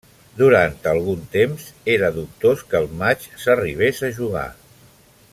Durant algun temps, era dubtós que el matx s'arribés a jugar.